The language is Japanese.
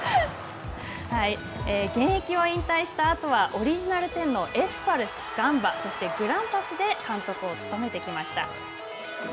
現役を引退したあとは、オリジナル１０のエスパルスガンバ、そしてグランパスで、監督を務めてきました。